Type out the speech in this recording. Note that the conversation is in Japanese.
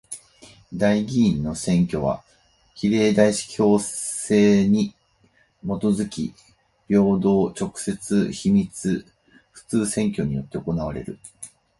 代議員の選挙は比例代表制にもとづき平等、直接、秘密、普通選挙によって行われる。